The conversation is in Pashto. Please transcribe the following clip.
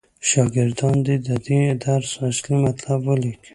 شاګردان دې د دې درس اصلي مطلب ولیکي.